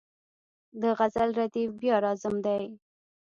د غزل ردیف بیا راځم دی.